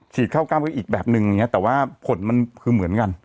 เข้ากล้ามก็อีกแบบนึงอย่างเงี้แต่ว่าผลมันคือเหมือนกัน